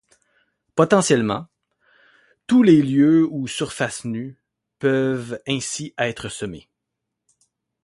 Potentiellement, tous les lieux ou surfaces nues peuvent ainsi être semés.